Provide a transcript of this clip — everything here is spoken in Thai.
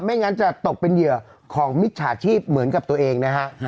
งั้นจะตกเป็นเหยื่อของมิจฉาชีพเหมือนกับตัวเองนะฮะ